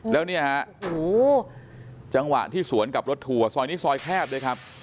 แล้วเนี่ยฮะจังหวะที่สวนกับรถทัวร์ซอยนี้ซอยแคบด้วยครับ